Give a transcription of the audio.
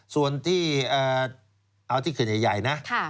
ส่วนที่เอาที่เขตใหญ่นะ